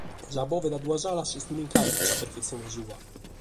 Sa bòveda a duas alas est un’incantu in sa perfetzione sua.